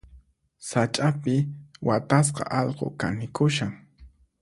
Sach'api watasqa allqu kanikushan.